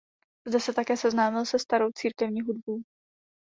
Zde se také seznámil se starou církevní hudbou.